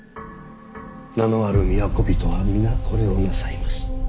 名のある都人は皆これをなさいます。